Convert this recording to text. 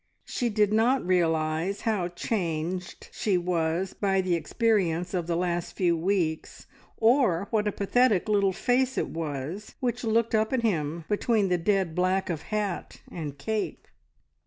She did not realise how changed she was by the experience of the last few weeks, or what a pathetic little face it was which looked up at him between the dead black of hat and cape.